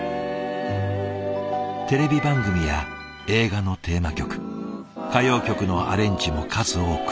テレビ番組や映画のテーマ曲歌謡曲のアレンジも数多く手がけ